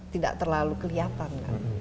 tidak terlalu kelihatan